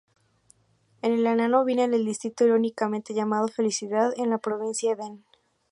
El enano vive en el distrito irónicamente llamado Felicidad en la provincia Eden.